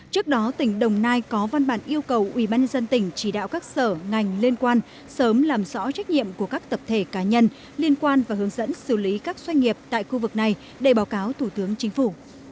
trước đó tỉnh đồng nai có văn bản yêu cầu ubnd tỉnh chỉ đạo các sở ngành liên quan sớm làm rõ trách nhiệm của các tập thể cá nhân liên quan và hướng dẫn xử lý các doanh nghiệp tại khu vực này để báo cáo thủ tướng chính phủ